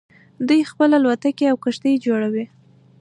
دوی خپله الوتکې او کښتۍ جوړوي.